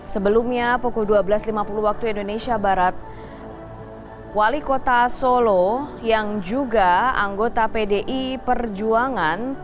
sebelumnya pukul dua belas lima puluh waktu indonesia barat wali kota solo yang juga anggota pdi perjuangan